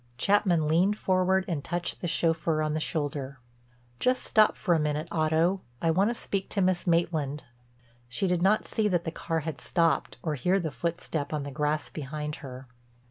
Chapman leaned forward and touched the chauffeur on the shoulder. "Just stop for a minute, Otto, I want to speak to Miss Maitland." She did not see that the car had stopped or hear the footstep on the grass behind her.